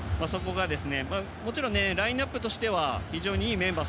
もちろんラインアップとしては非常にいいメンバーが